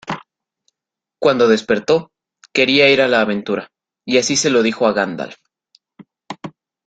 Cuando despertó, quería ir a la aventura, y así se lo dijo a Gandalf.